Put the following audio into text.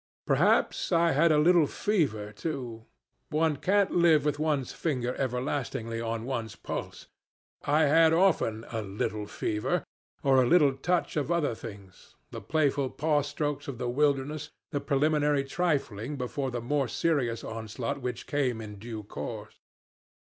Perhaps I had a little fever too. One can't live with one's finger everlastingly on one's pulse. I had often 'a little fever,' or a little touch of other things the playful paw strokes of the wilderness, the preliminary trifling before the more serious onslaught which came in due course.